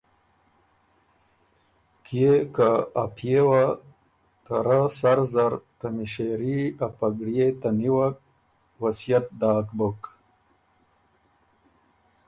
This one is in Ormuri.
کيې که ا پئے وه ته رۀ سر زر ته مِݭېري ا پګړيې ته نیوک وصئت داک بُک۔